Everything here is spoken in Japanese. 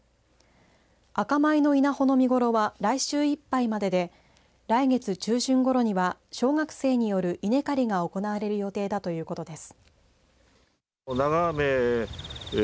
赤米の稲穂の見頃は来週いっぱいまでで来月中旬ごろには小学生による稲刈りが行われる予定だということです。